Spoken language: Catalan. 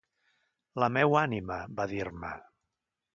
La meua ànima, va dir-me.